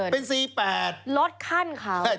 เป็น๔๘ลดขั้นครับ